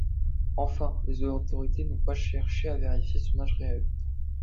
Enfin, les autorités n'ont pas cherché à vérifier son âge réel.